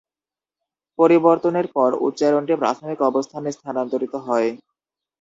পরিবর্তনের পর, উচ্চারণটি প্রাথমিক অবস্থানে স্থানান্তরিত হয়।